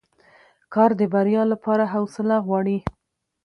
کار د بریا لپاره حوصله غواړي